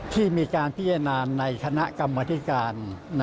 ที่มีการพิจารณาในคณะกรรมธิการ